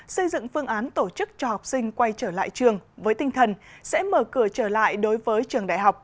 xây dựng phương án tổ chức cho học sinh quay trở lại trường với tinh thần sẽ mở cửa trở lại đối với trường đại học